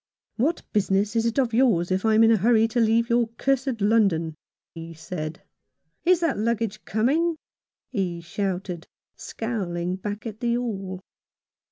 " What business is it of yours if I'm in a hurry to leave your cursed London ?" he said. " Is that ^ u gg a ge coming?" he shouted, scowling back at the hall.